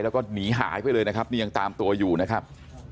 แล้วก็หนีหายไปเลยนะครับนี่ยังตามตัวอยู่นะครับ